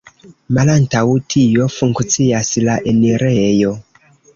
Malantaŭ tio funkcias la enirejo.